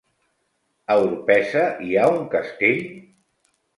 A Orpesa hi ha un castell?